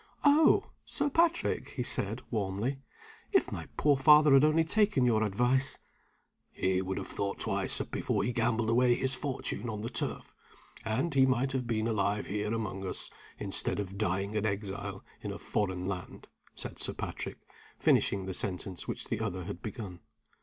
"Oh, Sir Patrick!" he said, warmly, "if my poor father had only taken your advice " "He would have thought twice before he gambled away his fortune on the turf; and he might have been alive here among us, instead of dying an exile in a foreign land," said Sir Patrick, finishing the sentence which the other had begun.